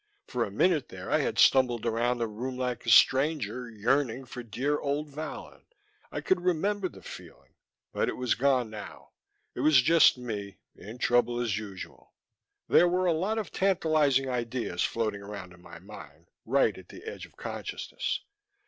For a minute there I had stumbled around the room like a stranger, yearning for dear old Vallon. I could remember the feeling but it was gone now. I was just me, in trouble as usual. There were a lot of tantalizing ideas floating around in my mind, right at the edge of consciousness.